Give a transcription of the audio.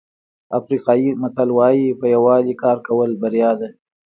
افریقایي متل وایي په یووالي کار کول بریا ده.